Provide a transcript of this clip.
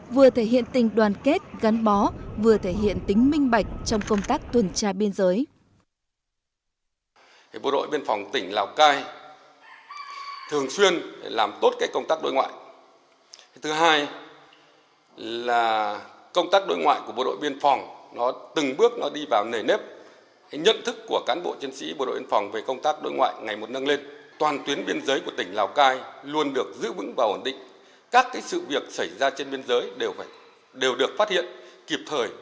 vừa thể hiện tình đoàn kết gắn bó vừa thể hiện tính minh bạch trong công tác tuần tra biên giới